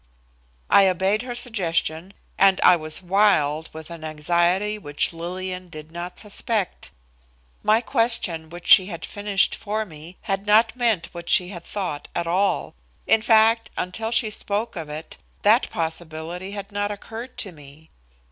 I obeyed her suggestion, but I was wild with an anxiety which Lillian did not suspect. My question, which she had finished for me, had not meant what she had thought at all. In fact, until she spoke of it, that possibility had not occurred to me.